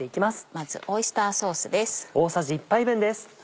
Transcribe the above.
まずオイスターソースです。